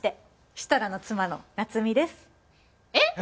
設楽の妻の夏美です。えっ！？